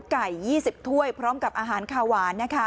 กล้องไก่๒๐ถ้วยพร้อมกับอาหารคาหวาน